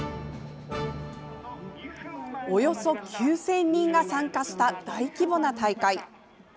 およそ９０００人が参加した大規模な大会。